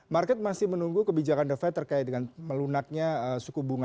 market masih menunggu kebijakan the fed terkait dengan melunaknya suku bunga